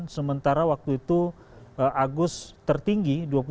sementara waktu itu agus tertinggi dua puluh sembilan lima